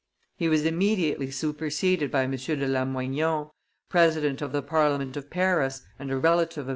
He was immediately superseded by M. de Lamoignon, president of the parliament of Paris and a relative of M.